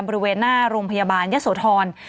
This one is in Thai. บริเวณหน้าโรงพยาบาลยะโสธร